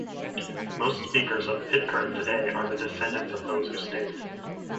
Most speakers of Pitkern today are the descendants of those who stayed.